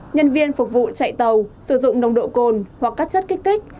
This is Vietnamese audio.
nhân viên phục vụ chạy tàu sử dụng nồng độ cồn hoặc các chất kích thích